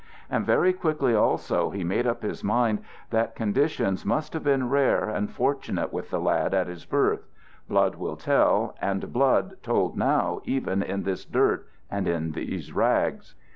And very quickly also he made up his mind that conditions must have been rare and fortunate with the lad at his birth: blood will tell, and blood told now even in this dirt and in these rags.